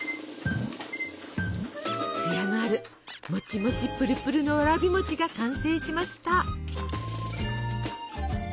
つやのあるもちもちプルプルのわらび餅が完成しました。